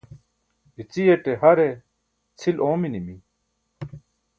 iciyaṭe har e cʰil oominimi